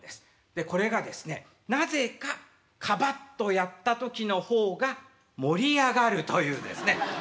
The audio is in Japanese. これがですねなぜか「カバ」っとやった時の方が盛り上がるというですね。